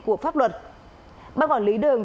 của pháp luật ban quản lý đường